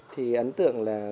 thì ấn tượng là